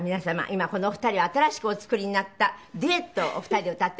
今このお二人新しくお作りになったデュエットをお二人で歌っていらっしゃるんですけど。